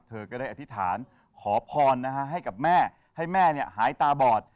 เธอก็ได้อธิษฐานขอพรให้กับแม่ให้แม่หายตาบอด